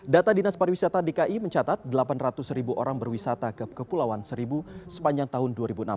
data dinas pariwisata dki mencatat delapan ratus ribu orang berwisata ke kepulauan seribu sepanjang tahun dua ribu enam belas